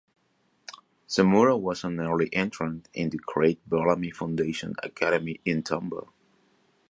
Samura was an early entrant in the Craig Bellamy Foundation Academy in Tombo.